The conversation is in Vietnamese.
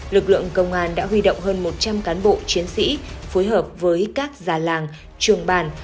lực lượng công an đã huy động hơn một trăm linh cán bộ chiến sĩ phối hợp với các già làng trường bàn